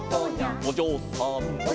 「おじょうさん」